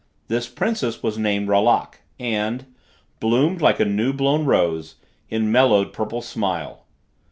This princess was named Ralac, and Bloomed, like the new blown rose In mellowed, purple smile.